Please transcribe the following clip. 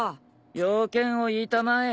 用件を言いたまえ。